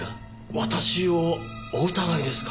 私をお疑いですか？